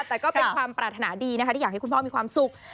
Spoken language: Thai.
แต่ก็เป็นความปรารถนาดีนะคะที่อยากให้คุณพ่อมีความสุข